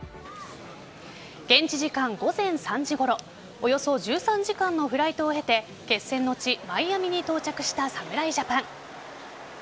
現地時間午前３時ごろおよそ１３時間のフライトを経て決戦の地・マイアミに到着した侍ジャパン。